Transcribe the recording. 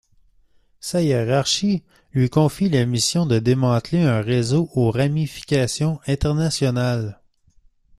Sa hiérarchie lui confie la mission de démanteler un réseau aux ramifications internationales.